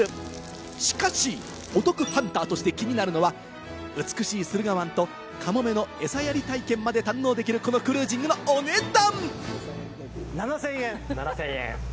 しかし、お得ハンターとして気になるのは、美しい駿河湾と、かもめのエサやり体験まで堪能できる、このクルージングのお値段。